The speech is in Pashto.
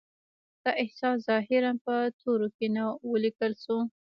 دا احساس ظاهراً په تورو کې نه و لیکل شوی